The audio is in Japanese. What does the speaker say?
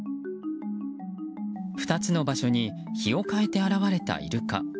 ２つの場所に日を変えて現れたイルカ。